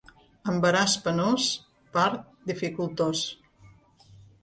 Embaràs penós, part dificultós.